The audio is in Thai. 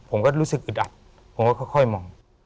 ผมก็รู้สึกอึดอัดผมก็ค่อยมอง